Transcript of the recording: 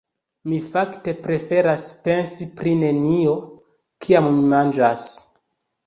Mi fakte preferas pensi pri nenio, kiam mi manĝas.